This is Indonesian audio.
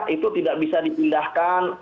itu tidak bisa dipindahkan